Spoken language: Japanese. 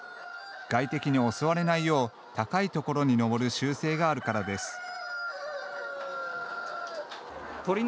外敵に襲われないよう高い所に登る習性があるからです。